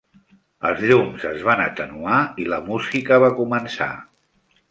Els llums es van atenuar i la música va començar.